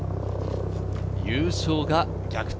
優勝が逆転